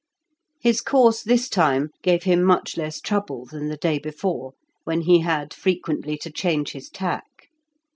His course this time gave him much less trouble than the day before, when he had frequently to change his tack.